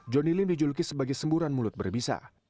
johnny lim dijuluki sebagai semburan mulut berbisa